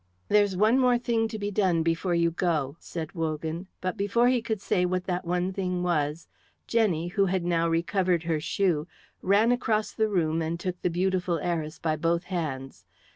"There's one more thing to be done before you go," said Wogan; but before he could say what that one thing was, Jenny, who had now recovered her shoe, ran across the room and took the beautiful heiress by both hands.